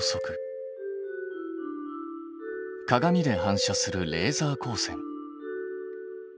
鏡で反射するレーザー光線。